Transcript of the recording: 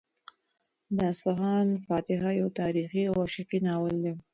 د اصفهان فاتح یو تاریخي او عشقي ناول دی.